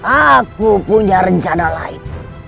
aku punya rencana lain